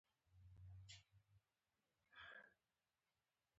په هجري لمریز کال کې د هېواد د خپلواکۍ جشن ولمانځل شو.